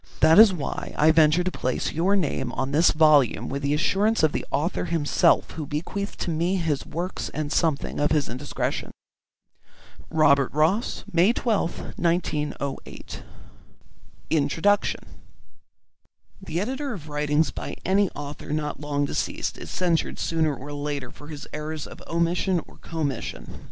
That is why I venture to place your name on this volume with the assurance of the author himself who bequeathed to me his works and something of his indiscretion. ROBERT ROSS May 12th, 1908. INTRODUCTION The editor of writings by any author not long deceased is censured sooner or later for his errors of omission or commission.